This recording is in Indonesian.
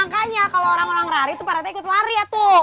kalau mau lari tuh pak rt ikut lari ya tuh